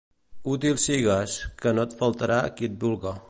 Útil sigues, que no et faltarà qui et vulga.